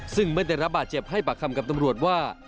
ซึ่งเมื่อได้รับบาดเจ็บให้ปากคำกับตำรวจว่า